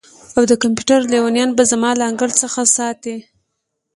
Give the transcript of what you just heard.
او د کمپیوټر لیونیان به زما له انګړ څخه ساتئ